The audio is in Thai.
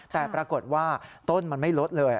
แต่ปรากฏว่าต้นมันไม่ลดเลย